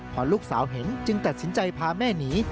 พอลูกสาวเห็นจึงตัดสินใจพาแม่หนี